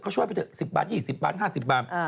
เขาช่วยไปเถอะ๑๐บาท๒๐บาท๕๐บาท